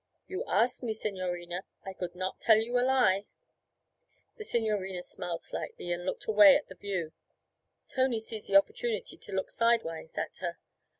'You asked me, signorina; I could not tell you a lie.' The signorina smiled slightly and looked away at the view; Tony seized the opportunity to look sidewise at her.